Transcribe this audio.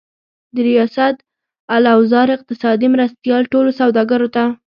د ریاست الوزار اقتصادي مرستیال ټولو سوداګرو ته